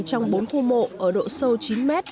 trong bốn khu mộ ở độ sâu chín mét